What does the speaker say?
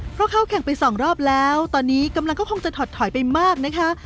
เพราะเข้าแข่งไปสองรอบแล้วตอนนี้กำลังก็คงจะถอดถอยไปมากนะคะ